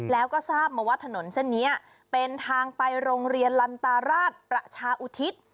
แล้วก็ทราบมาว่าถนนเส้นนี้เป็นทางไปโรงเรียนลันตราชประชาอุทิศ